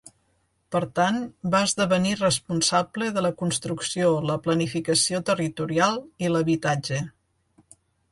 Per tant, va esdevenir responsable de la construcció, la planificació territorial i l'habitatge.